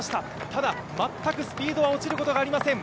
ただ、全くスピードは落ちることはありません。